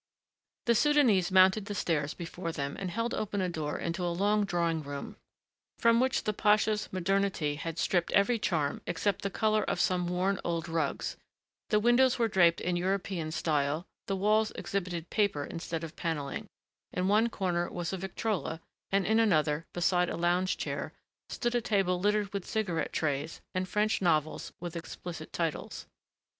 The Soudanese mounted the stairs before them and held open a door into a long drawing room from which the pasha's modernity had stripped every charm except the color of some worn old rugs; the windows were draped in European style, the walls exhibited paper instead of paneling; in one corner was a Victrola and in another, beside a lounge chair, stood a table littered with cigarette trays and French novels with explicit titles.